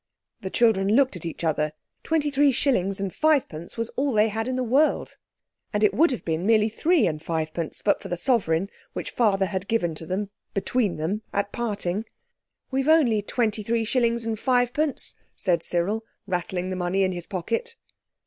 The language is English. The children looked at each other—twenty three shillings and fivepence was all they had in the world, and it would have been merely three and fivepence, but for the sovereign which Father had given to them "between them" at parting. "We've only twenty three shillings and fivepence," said Cyril, rattling the money in his pocket.